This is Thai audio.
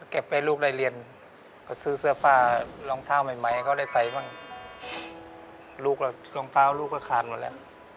เก็บให้ลูกได้เรียนก็ซื้อเสื้อผ้ารองเท้าใหม่ใหม่เขาได้ใส่บ้างลูกเรารองเท้าลูกก็ขาดหมดแล้ว